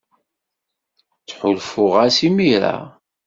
Ttḥulfuɣ-as imir-a.